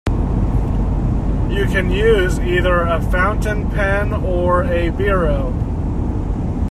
You can use either a fountain pen or a biro